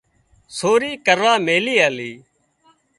سوري ڪروا ميلي آلي